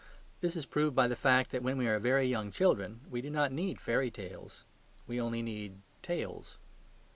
This is proved by the fact that when we are very young children we do not need fairy tales: we only need tales.